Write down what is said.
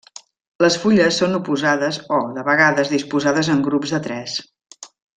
Les fulles són oposades o, de vegades disposades en grups de tres.